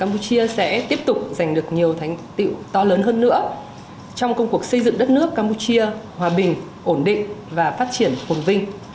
bình luận về cuộc xây dựng đất nước campuchia hòa bình ổn định và phát triển hồn vinh